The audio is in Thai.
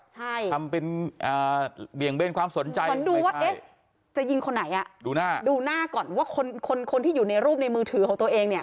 ทำเป็นเบี่ยงเบ้นความสนใจจะยิงคนไหนดูหน้าก่อนว่าคนที่อยู่ในรูปในมือถือของตัวเองเนี่ย